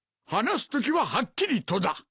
話すときははっきりとだ。